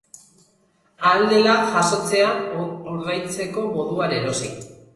Ahal dela, jasotzean ordaintzeko moduan erosi.